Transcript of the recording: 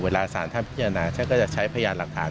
เวลาสารท่านพิจารณาท่านก็จะใช้พยานหลักฐาน